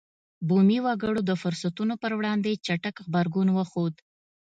بومي وګړو د فرصتونو پر وړاندې چټک غبرګون وښود.